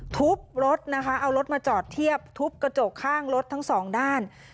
ทุบรถนะคะเอารถมาจอดเทียบทุบกระจกข้างรถทั้งสองด้าน